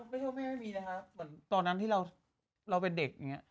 บางครั้งไม่ชอบแม่ไม่มีนะคะเหมือนตอนนั้นที่เราเราเป็นเด็กอย่างเงี้ย